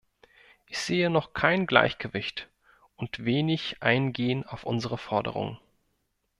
Ich sehe noch kein Gleichgewicht und wenig Eingehen auf unsere Forderungen.